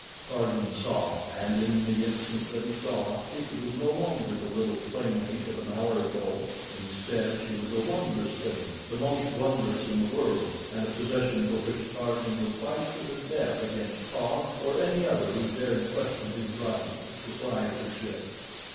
Tarzan saw, and in the instant that he saw, Teeka was no longer the little playmate of an hour ago; instead she was a wondrous thing the most wondrous in the world and a possession for which Tarzan would fight to the death against Taug or any other who dared question his right of proprietorship.